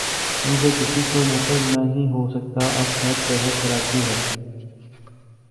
ان سے کسی کو مفر نہیں ہو سکتا اب ہر شہر کراچی ہے۔